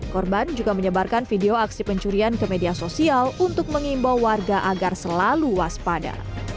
korban juga menyebarkan video aksi pencurian ke media sosial untuk mengimbau warga agar selalu waspada